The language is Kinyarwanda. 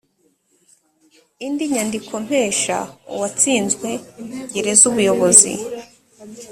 indi nyandikompesha uwatsinzwe yegera ubuyobozi